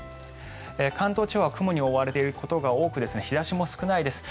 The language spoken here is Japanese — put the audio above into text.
関東地方は雲に覆われていることが多く日差しも少ないです。